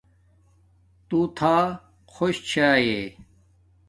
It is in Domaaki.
تو تھا خوش چھاݵݵ